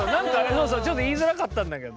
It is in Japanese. そうそうちょっと言いずらかったんだけど。